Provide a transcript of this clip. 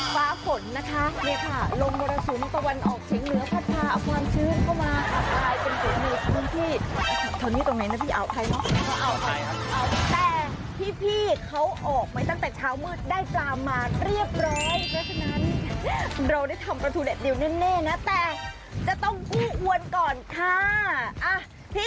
เพราะว่าจะมีฟ้าฝนลงโรยสุมตะวันออกเช่งเหลือพัดพะขวางชื่นความอ้ายได้เป็นฝุมมืท